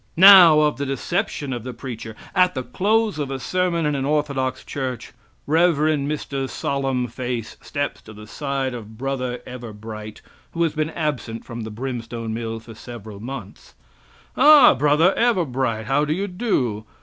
Now, of the deception of the preacher. At the close of a sermon in an orthodox church, Rev. Mr. Solemnface steps to the side of Bro. Everbright, who has been absent from the brimstone mill for several months: "Ah, Bro. Everbright, how do you do?